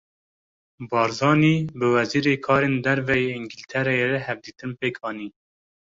Barzanî, bi Wezîrê Karên Derve yê Îngîltereyê re hevdîtin pêk anî